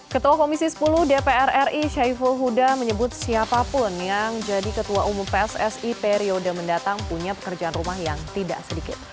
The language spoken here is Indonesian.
ketua komisi sepuluh dpr ri syaiful huda menyebut siapapun yang jadi ketua umum pssi periode mendatang punya pekerjaan rumah yang tidak sedikit